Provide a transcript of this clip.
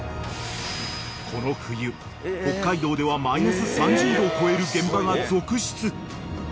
［この冬北海道ではマイナス３０℃を超える現場が続出］